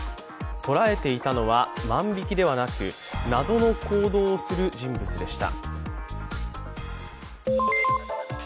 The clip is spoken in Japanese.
捉えていたのは、万引きではなく謎の行動をする人物でした。